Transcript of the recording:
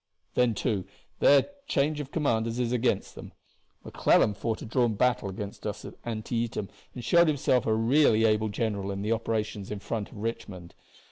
Then, too, their change of commanders is against them. McClellan fought a drawn battle against us at Antietam and showed himself a really able general in the operations in front of Richmond.